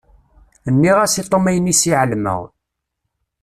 Nniɣ-as i Tom ayen iss i εelmeɣ.